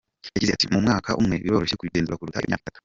Yagize ati “Mu mwaka umwe biroroshye kubigenzura kuruta imyaka itatu.